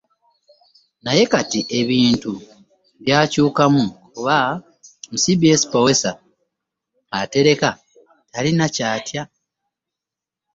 Naye kati ebintu byakyukamu kuba mu CBS- PEWOSA atereka talina kyatya.